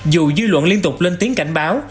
dù dư luận liên tục lên tiếng cảnh báo